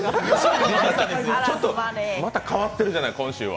また変わってるじゃない、今週は。